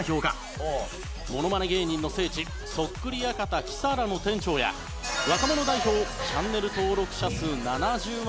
ものまね芸人の聖地そっくり館キサラの店長や若者代表チャンネル登録者数７０万